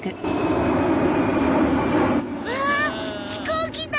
わあ飛行機だ！